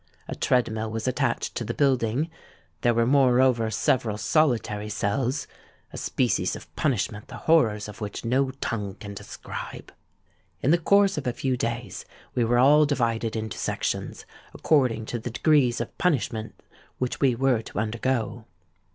A tread mill was attached to the building: there were moreover several solitary cells—a species of punishment the horrors of which no tongue can describe. "In the course of a few days we were all divided into sections, according to the degrees of punishment which we were to undergo.